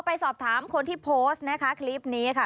ไปสอบถามคนที่โพสต์นะคะคลิปนี้ค่ะ